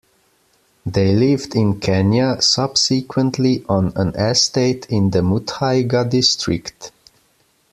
They lived in Kenya subsequently on an estate in the Muthaiga district.